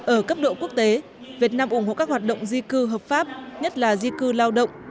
ở cấp độ quốc tế việt nam ủng hộ các hoạt động di cư hợp pháp nhất là di cư lao động